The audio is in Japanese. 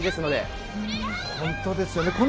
本当ですよね。